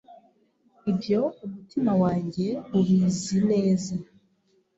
ibyo umutima wanjye ubizi neza”